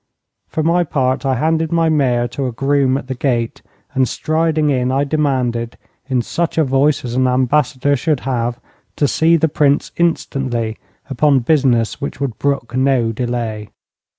For my part, I handed my mare to a groom at the gate, and striding in I demanded, in such a voice as an ambassador should have, to see the Prince instantly, upon business which would brook no delay.